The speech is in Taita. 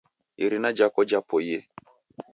Irina jhako japoie.